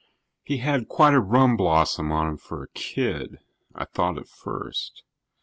_ He had quite a rum blossom on him for a kid, I thought at first.